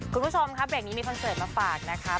คุณผู้ชมครับเบรกนี้มีคอนเสิร์ตมาฝากนะคะ